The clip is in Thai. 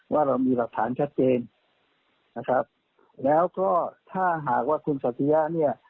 ว่าเรามีหลักฐานชัดเจนนะครับแล้วก็ถ้าหากว่าคุณสัตยะเนี่ย